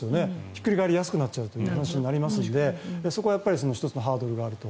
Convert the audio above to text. ひっくり返りやすくなるという話になりますのでそこは１つのハードルがあると。